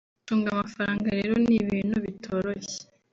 Gucunga amafaranga rero ni ibintu bitoroshye